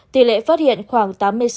tỷ lệ phát hiện khoảng tám mươi sáu